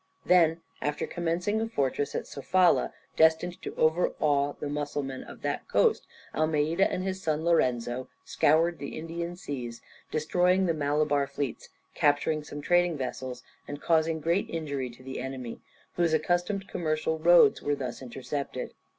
Then, after commencing a fortress at Sofala, destined to overawe the Mussulmen of that coast, Almeida and his son, Lorenzo, scoured the Indian Seas, destroying the Malabar fleets, capturing some trading vessels, and causing great injury to the enemy, whose accustomed commercial roads were thus intercepted.